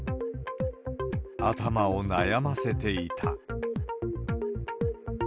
頭を悩ませていた。